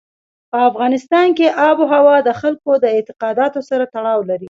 په افغانستان کې آب وهوا د خلکو د اعتقاداتو سره تړاو لري.